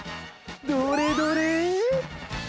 どれどれ？